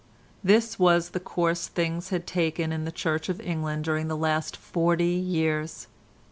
This was the course things had taken in the Church of England during the last forty years.